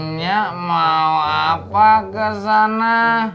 nyak mau apa kesana